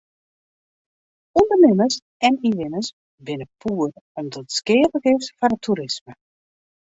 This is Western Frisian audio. Undernimmers en ynwenners binne poer om't it skealik is foar it toerisme.